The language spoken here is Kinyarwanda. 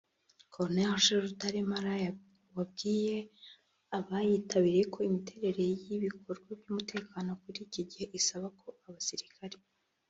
Col Jill Rutaremara wabwiye abayitabiriye ko imiterere y’ibikorwa by’umutekano muri iki gihe isaba ko abasirikare